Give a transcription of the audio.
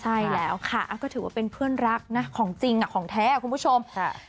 ใช่แล้วค่ะก็ถือว่าเป็นเพื่อนรักนะของจริงของแท้คุณผู้ชม